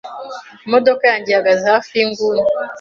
Imodoka yanjye ihagaze hafi yinguni .